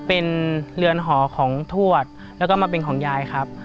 เป็นเรือนหอของทวดแล้วก็มาเป็นของยายครับ